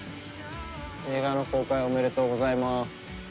映画の公開おめでとうございます。